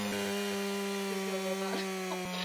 父亲陈谦。